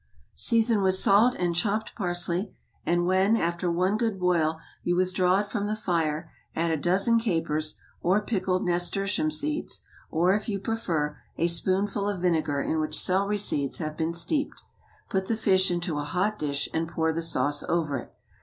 Season with salt and chopped parsley, and when, after one good boil, you withdraw it from the fire, add a dozen capers, or pickled nasturtium seeds, or, if you prefer, a spoonful of vinegar in which celery seeds have been steeped. Put the fish into a hot dish, and pour the sauce over it.